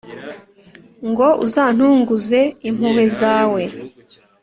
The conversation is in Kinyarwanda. Ngo uzantunguze impuhwe zawe,